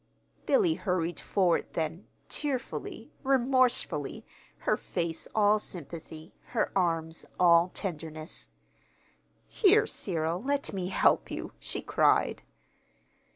Billy hurried forward then, tearfully, remorsefully, her face all sympathy, her arms all tenderness. "Here, Cyril, let me help you," she cried.